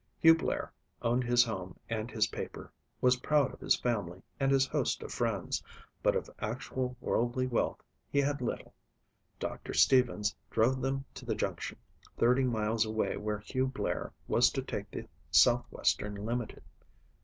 Hugh Blair owned his home and his paper, was proud of his family and his host of friends, but of actual worldly wealth he had little. Doctor Stevens drove them to the Junction thirty miles away where Hugh Blair was to take the Southwestern limited.